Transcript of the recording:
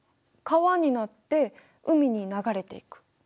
川になって海に流れていく。